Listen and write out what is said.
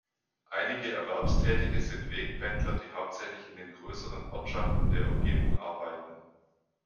Einige Erwerbstätige sind Wegpendler, die hauptsächlich in den grösseren Ortschaften der Umgebung arbeiten.